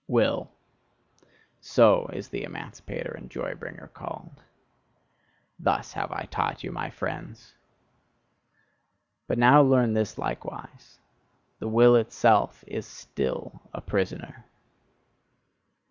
Will so is the emancipator and joy bringer called: thus have I taught you, my friends! But now learn this likewise: the Will itself is still a prisoner.